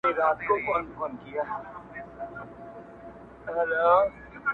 o په ړنديانو کي چپک اغا دئ٫